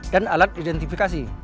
dan alat identifikasi